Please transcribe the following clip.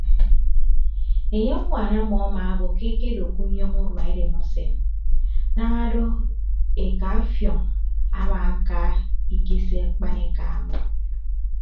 Enye ñwaan ọmmọ amaabo ke akedo ke unyọñọ udua edem usen daña do eka afiọñ amaaka ikise akpaneka ọmọ.